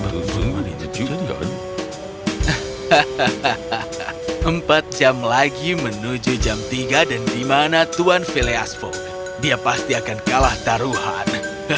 empat jam lagi menuju jam tiga dan dimana tuan phileas fogg dia pasti akan kalah taruhan